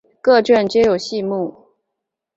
各卷皆有细目。